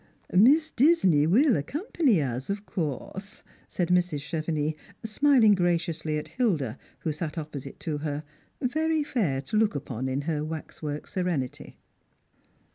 " Miss Disney will accompany us, of course," said Mrs, Chevenix, smiling graciously at Hilda, who sat opposite to her, very fair to look upon in her waxwork serenity.